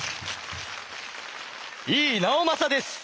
井伊直政です。